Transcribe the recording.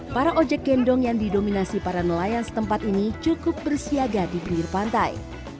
para ojek gendong yang didominasi para nelayan setempat ini cukup bersiaga di pinggir pantai